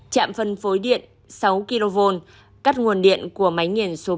chạm phân phối điện sáu kv cắt nguồn điện của máy nghiền số ba